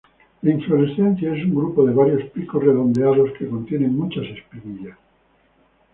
La inflorescencia es un grupo de varios picos redondeados que contienen muchas espiguillas.